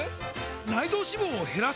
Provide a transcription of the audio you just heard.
内臓脂肪を減らす！？